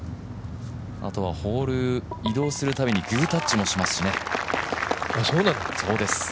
あとはホール、移動する度にグータッチもしますしね。